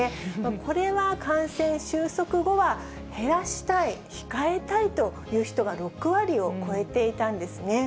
これは感染収束後は減らしたい、控えたいという人が、６割を超えていたんですね。